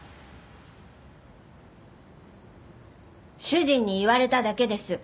主人に言われただけです。